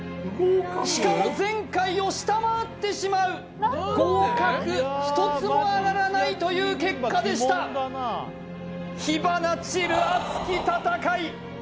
しかも前回を下回ってしまう合格１つもあがらないという結果でした火花散る熱き戦い